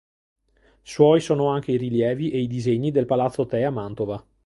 Suoi sono anche i rilievi e i disegni del Palazzo Te a Mantova.